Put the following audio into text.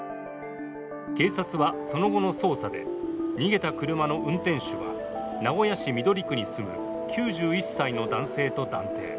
警察はその後の捜査で逃げた車の運転手は、名古屋市緑区に住む９１歳の男性と断定。